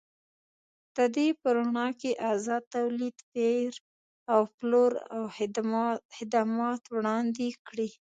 د دې په رڼا کې ازاد تولید، پېر او پلور او خدمات وړاندې کړي.